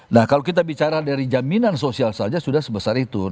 nah kalau kita bicara dari jaminan sosial saja sudah sebesar itu